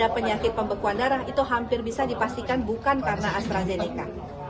penyakit pembekuan darah itu hampir bisa dipastikan bukan karena astrazeneca